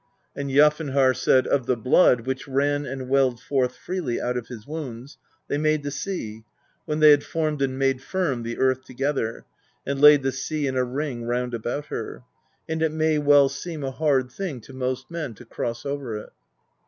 And Jafnharr said: "Of the blood, which ran and welled forth freely out of his wounds, they made the sea, when they had formed and made firm the earth together, and laid the sea in a ring round about her; and it may well seem a hard thing to most men to cross over it."